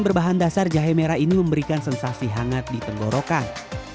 berbahan dasar jahe merah ini memberikan sensasi hangat di tenggorokan